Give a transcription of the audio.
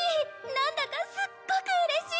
なんだかすっごくうれしい。